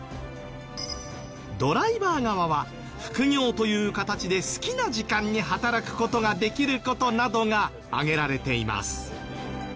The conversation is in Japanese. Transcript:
ドライバー側は副業という形で好きな時間に働く事ができる事などが挙げられています。